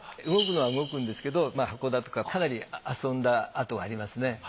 動くのは動くんですけど箱だとかかなり遊んだ跡がありますね。